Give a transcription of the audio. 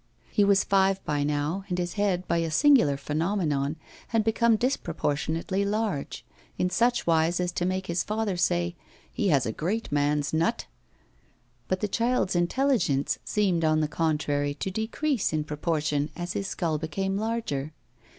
He was five by now, and his head by a singular phenomenon had become disproportionately large, in such wise as to make his father say, 'He has a great man's nut!' But the child's intelligence seemed, on the contrary, to decrease in proportion as his skull became larger.